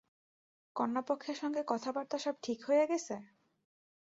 কন্যাপক্ষের সঙ্গে কথাবার্তা সব ঠিক হইয়া গেছে?